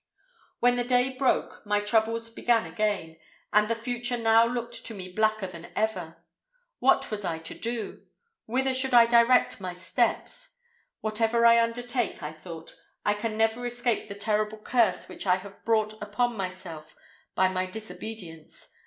"When the day broke, my troubles began again, and the future now looked to me blacker than ever. What was I to do? Whither should I direct my steps? Whatever I undertake, I thought, I can never escape the terrible curse which I have brought upon myself by my disobedience.